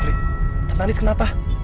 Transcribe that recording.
putri tante andis kenapa